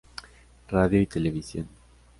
Radio y television.